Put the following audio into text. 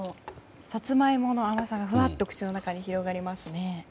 サツマイモの甘さがふわっと広がりますね。